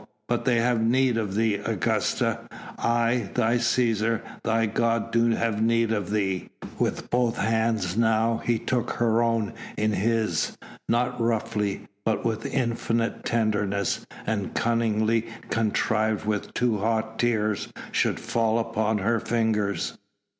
but they have need of thee, Augusta! I, thy Cæsar, thy god do have need of thee!" With both hands now he took her own in his, not roughly, but with infinite tenderness, and cunningly contrived that two hot tears should fall upon her fingers.